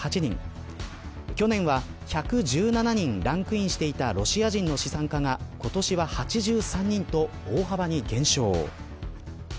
去年は１１７人ランクインしていたロシア人の資産家が今年は８３人と大幅に減少。